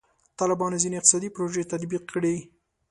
طالبانو ځینې اقتصادي پروژې تطبیق کړي.